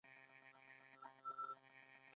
د بودا په څیره کې یوناني ښکلا وه